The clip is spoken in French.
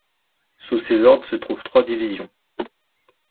Sous ses ordres se trouvent trois divisions.